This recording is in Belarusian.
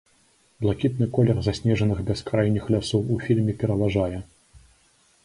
Блакітны колер заснежаных бяскрайніх лясоў у фільме пераважае.